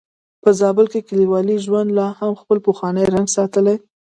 په زابل کې کليوالي ژوند لا هم خپل پخوانی رنګ ساتلی.